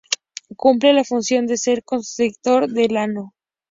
Cumple la función de ser constrictor del ano.